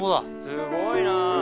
すごいな。